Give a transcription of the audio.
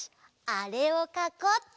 あれをかこうっと！